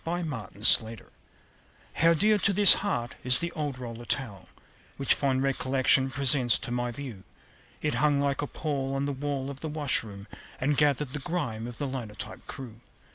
THE OLD ROLLER TOWEL How dear to this heart is the old roller towel Which fond recollection presents to my view. It hung like a pall on the wall of the washroom, And gathered the grime of the linotype crew.